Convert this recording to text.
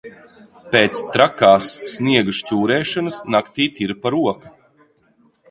Pēc trakās sniega šķūrēšanas naktī tirpa roka.